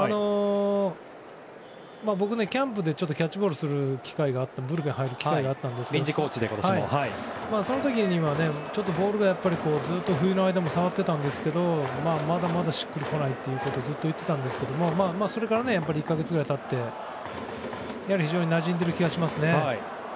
僕、キャンプでキャッチボールする機会ブルペンに入る機会があったんですけどその時にはボールが冬の間も触っていたんですがまだまだしっくりこないとずっと言ってたんですけどそれから１か月ぐらい経ってなじんでいる気がしますね。